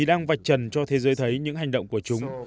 đang vạch trần cho thế giới thấy những hành động của chúng